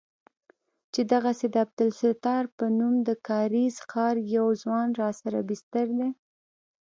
چې دغسې د عبدالستار په نوم د کارېز ښار يو ځوان راسره بستر دى.